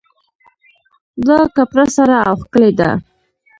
دا کپړه سره او ښکلې ده